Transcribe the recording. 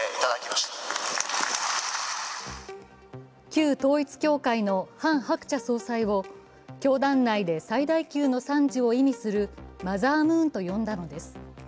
旧統一教会のハン・ハクチャ総裁を教団内で最大級の賛辞を意味するマザームーンと呼んだのです。